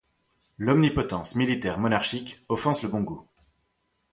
L'omnipotence militaire monarchique offense le bon goût.